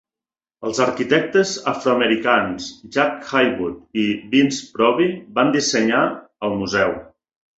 Els arquitectes afroamericans Jack Haywood i Vince Proby van dissenyar el museu.